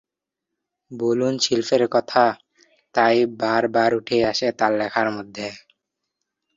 বুনন শিল্পের কথা তাই বারবার উঠে আসে তার লেখার মধ্যে।